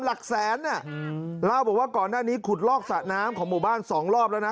หลักแสนเล่าบอกว่าก่อนหน้านี้ขุดลอกสระน้ำของหมู่บ้านสองรอบแล้วนะ